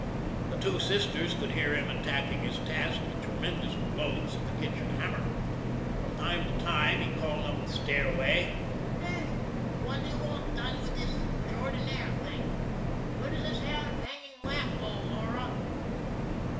The two sisters could hear him attacking his task with tremendous blows of the kitchen hammer. From time to time he called up the stairway: "Hey, what do you want done with this jardiniere thing? ... Where does this hanging lamp go, Laura?"